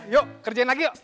yuk kerjain lagi yuk